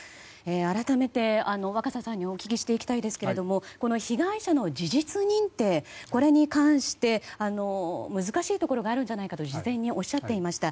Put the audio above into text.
改めて若狭さんにお聞きしていきたいんですが被害者の事実認定に関して難しいところがあるんじゃないかと事前におっしゃっていました。